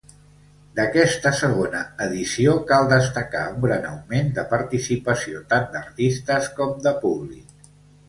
D'aquesta segona edició cal destacar un gran augment de participació tant d'artistes com de públic.